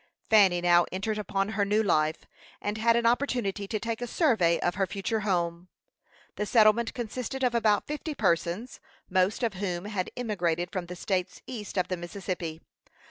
Fanny now entered upon her new life, and had an opportunity to take a survey of her future home. The settlement consisted of about fifty persons, most of whom had emigrated from states east of the Mississippi.